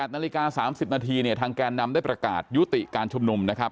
นาฬิกา๓๐นาทีเนี่ยทางแกนนำได้ประกาศยุติการชุมนุมนะครับ